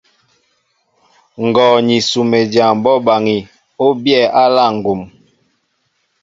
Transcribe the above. Ngɔ ni Sumedyaŋ bɔ́ baŋí , ó bíy á aláá ŋgum.